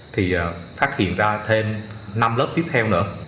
thì phát hiện ra thêm năm lớp tiếp theo nữa